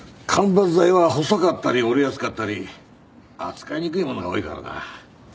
間伐材は細かったり折れやすかったり扱いにくいものが多いからな。